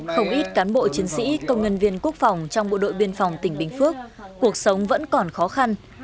không ít cán bộ chiến sĩ công nhân viên quốc phòng trong bộ đội biên phòng tỉnh bình phước cuộc sống vẫn còn khó khăn